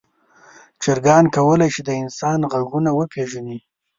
چرګان کولی شي د انسان غږونه وپیژني.